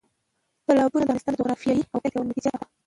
تالابونه د افغانستان د جغرافیایي موقیعت یو نتیجه ده.